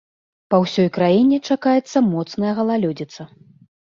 Па ўсёй краіне чакаецца моцная галалёдзіца.